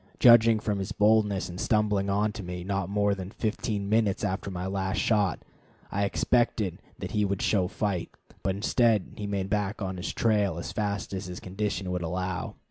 Judging from his boldness in stumbling on to me, not more than fifteen minutes after my last shot, I expected that he would show fight, but instead he made back on his trail as fast as his condition would allow.